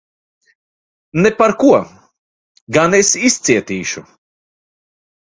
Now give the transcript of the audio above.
Ne par ko! Gan es izcietīšu.